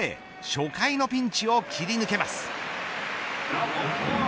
初回のピンチを切り抜けます。